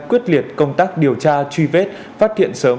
quyết liệt công tác điều tra truy vết phát hiện sớm